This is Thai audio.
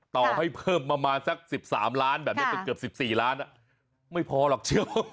ต่อให้เพิ่มประมาณสักสิบสามล้านแบบเนี้ยเป็นเกือบสิบสี่ล้านอ่ะไม่พอหรอกเชียว